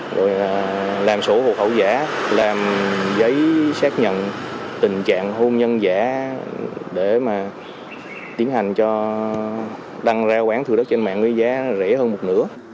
rồi là làm sổ hộ khẩu giả làm giấy xác nhận tình trạng hôn nhân giả để mà tiến hành cho đăng ra quán thừa đất trên mạng với giá rẻ hơn một nửa